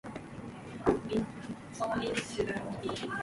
She defeated Coreen Malherbe for the position.